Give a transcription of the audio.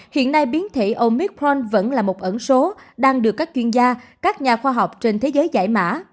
hai biến thể omicron vẫn là một ẩn số đang được các chuyên gia các nhà khoa học trên thế giới giải mã